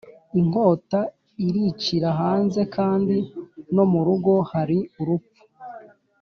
,Inkota iricira hanze kandi no mu rugo hari urupfu.